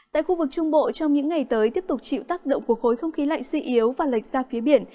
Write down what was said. tại khu vực trung bộ trong những ngày tới tiếp tục chịu tác động của khối không khí lạnh suy yếu và lệch ra phía biển